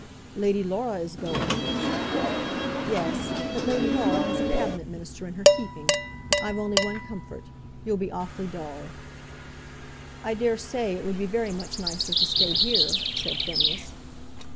"Lady Laura is going." "Yes; but Lady Laura has a Cabinet Minister in her keeping. I've only one comfort; you'll be awfully dull." "I daresay it would be very much nicer to stay here," said Phineas.